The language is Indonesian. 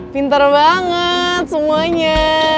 pinter banget semuanya